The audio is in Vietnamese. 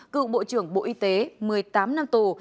cựu bộ trưởng bộ y tế một mươi tám năm tù